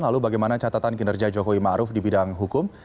lalu bagaimana catatan kinerja jokowi ma'ruf di bidang hukum